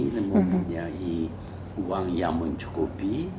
jadi kita mempunyai uang yang mencukupi